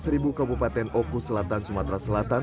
seribu kabupaten oku selatan sumatera selatan